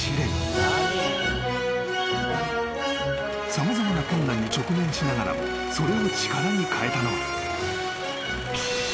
［様々な困難に直面しながらもそれを力に変えたのは］